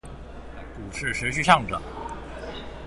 股市持續上漲